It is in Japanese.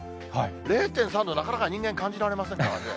０．３度、なかなか人間感じられませんからね。